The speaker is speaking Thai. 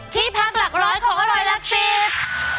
ที่พักหลักร้อยของอร่อยหลักสิบ